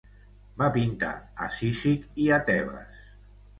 Va pintar a Cízic i a Tebes.